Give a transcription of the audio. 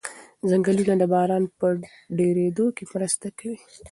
ځنګلونه د باران په ډېرېدو کې مرسته کوي.